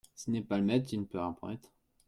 S'il n'est pas le maître, il ne peut rien promettre.